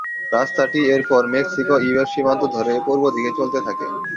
রাস্তাটি এরপর মেক্সিকো-ইউএস সীমান্ত ধরে পূর্বদিকে চলতে থাকে।